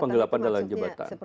penggelapan dalam jabatan